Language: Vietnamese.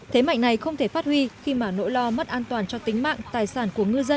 thế mạnh này không thể phát huy khi mà nỗi lo mất an toàn cho tính mạng tài sản của ngư dân